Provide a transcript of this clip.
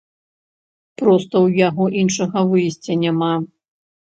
Проста ў яго іншага выйсця няма!